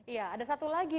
iya ada satu lagi